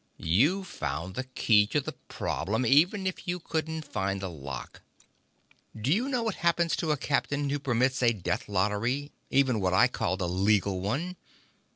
You found the key to the problem, even if you couldn't find the lock. Do you know what happens to a captain who permits a death lottery, even what I called a legal one?